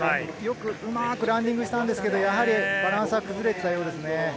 うまくランディングしたんですが、バランスは崩れていたようですね。